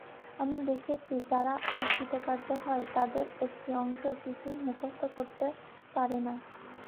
আমি দেখেছি, যারা অকৃতকার্য হয়, তাদের একটি অংশ কিছুই মুখস্থ করতে পারে না।